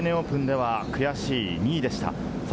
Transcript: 昨年もＡＮＡオープンでは悔しい２位でした。